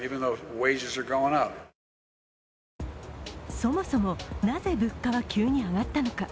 そもそもなぜ物価は急に上がったのか。